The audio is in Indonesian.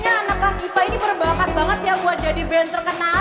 kayaknya anak kelas ipa ini berbakat banget ya buat jadi band terkenal